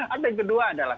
arti kedua adalah